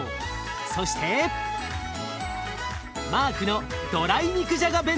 そしてマークのドライ肉じゃが弁当。